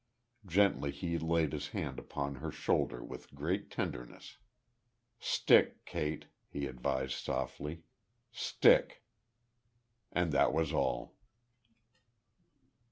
'" Gently he laid his hand upon her shoulder, with great tenderness. "Stick, Kate," he advised, softly. "Stick." And that was all.